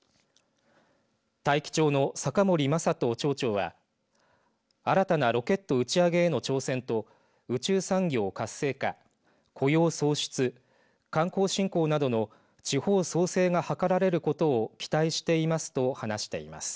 大樹町の酒森正人町長は新たなロケット打ち上げへの挑戦と宇宙産業を活性化雇用創出観光振興などの地方創生が図られることを期待していますと話しています。